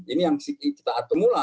ini yang kita atur